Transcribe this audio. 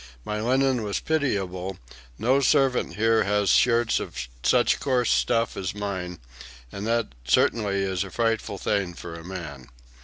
My linen was pitiable; no servant here has shirts of such coarse stuff as mine, and that certainly is a frightful thing for a man.